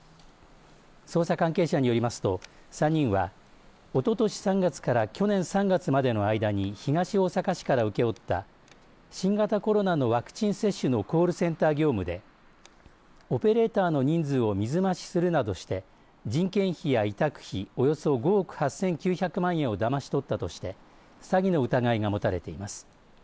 捜査関係者によりますと、３人はおととし３月から去年３月までの間に東大阪市から請け負った新型コロナのワクチン接種のコールセンター業務でオペレーターの人数を水増しするなどして人件費や委託費およそ５億８９００万円をだまし取ったとして詐欺の疑いが持たれています。